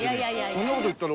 そんな事言ったら。